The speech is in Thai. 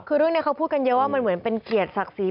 คือเรื่องนี้เขาพูดกันเยอะว่ามันเหมือนเป็นเกียรติศักดิ์ศรี